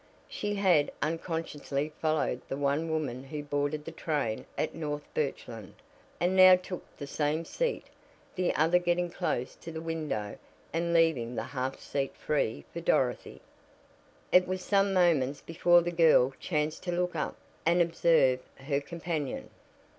She had unconsciously followed the one woman who boarded the train at North Birchland, and now took the same seat the other getting close to the window and leaving the half seat free for Dorothy. It was some moments before the girl chanced to look up and observe her companion.